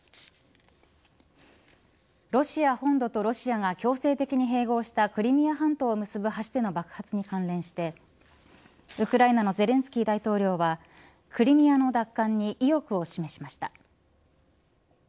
ロシア本土とロシアが強制的に併合したクリミア半島を結ぶ橋での爆発に関連してウクライナのゼレンスキー大統領はクリミアの奪還に意欲を示しました。